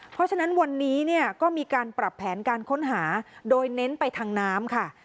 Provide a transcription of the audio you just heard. เพราะฉะนั้นวันนี้เนี่ยก็มีการปรับแผนการค้นหาโดยเน้นไปทางน้ำค่ะ